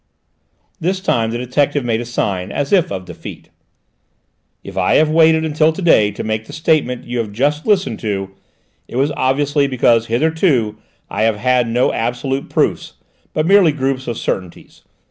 This time the detective made a sign as if of defeat. "If I have waited until to day to make the statement you have just listened to, it was obviously because hitherto I have had no absolute proofs, but merely groups of certainties.